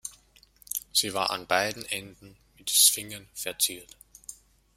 Sie war an beiden Enden mit Sphingen verziert.